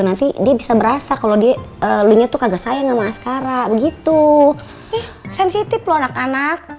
nanti dia bisa berasa kalau dia lonya tuh kagak sayang sama askara begitu sensitif loh anak anak